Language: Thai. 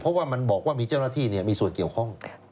เพราะว่ามันบอกว่ามีเจ้าหน้าที่มีส่วนเกี่ยวข้อง